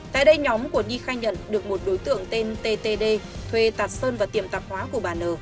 tại đây nhóm của nhi khai nhận được một đối tượng tên t t d thuê tạt sơn và tiệm tạp hóa của bà n